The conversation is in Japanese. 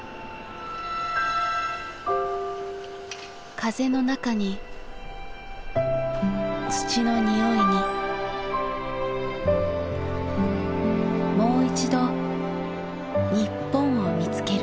風の中に土の匂いにもういちど日本を見つける。